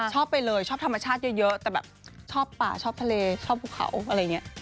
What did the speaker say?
ชอบไปเลยชอบธรรมชาติเยอะแต่แบบชอบป่าชอบทะเลชอบภูเขาอะไรอย่างนี้